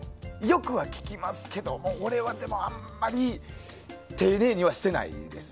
よくは聞きますけどもでも俺は、あんまり丁寧にはしてないです。